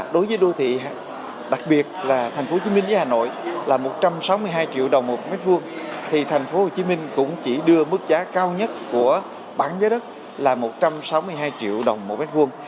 đưa mức giá cao nhất của bản giá đất là một trăm sáu mươi hai triệu đồng một mét vuông